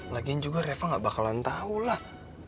lagian juga reva gak bakalan tahu lah